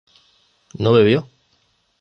¿no bebió?